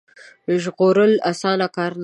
ژغورل اسانه کار نه وو.